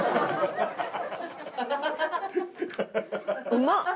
うまっ！